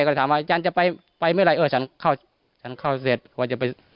ก็เลยถามว่าอาจารย์จะไปไปไม่ไรเออฉันเข้าเสร็จว่าจะไป